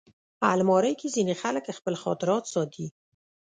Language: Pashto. الماري کې ځینې خلک خپل خاطرات ساتي